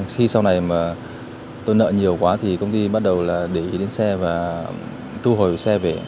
khi sau này mà tôi nợ nhiều quá thì công ty bắt đầu là để ý đến xe và thu hồi xe về